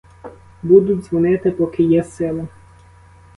Буду дзвонити, поки є сили.